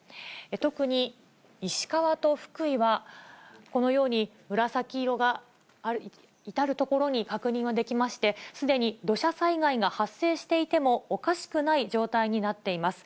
特に石川と福井はこのように、紫色が至る所に確認ができまして、すでに土砂災害が発生していてもおかしくない状態になっています。